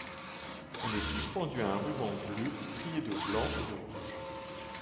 Elle est suspendue à un ruban bleu strié de blanc et de rouge.